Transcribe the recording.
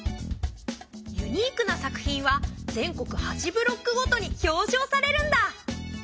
ユニークな作品は全国８ブロックごとに表彰されるんだ！